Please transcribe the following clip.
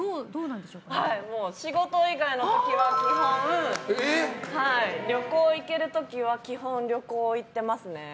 仕事以外の時は基本旅行に行ける時は基本、旅行に行ってますね。